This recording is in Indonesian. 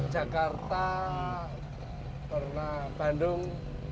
jakarta pernah bandung